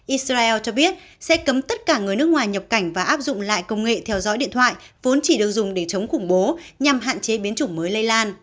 israel cho biết sẽ cấm tất cả người nước ngoài nhập cảnh và áp dụng lại công nghệ theo dõi điện thoại vốn chỉ được dùng để chống khủng bố nhằm hạn chế biến chủng mới lây lan